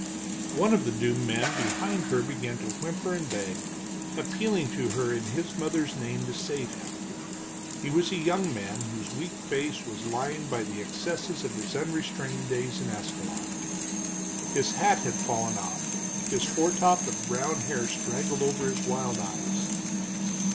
One of the doomed men behind her began to whimper and beg, appealing to her in his mother's name to save him. He was a young man, whose weak face was lined by the excesses of his unrestrained days in Ascalon. His hat had fallen off, his foretop of brown hair straggled over his wild eyes.